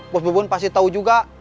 bos bubun pasti tahu juga